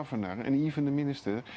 pemerintah dan juga para minister